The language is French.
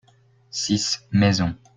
six maisons.